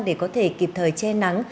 để có thể kịp thời gian